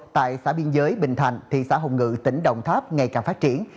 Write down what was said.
tại xã biên giới bình thành thị xã hồng ngự tỉnh đồng tháp ngày càng phát triển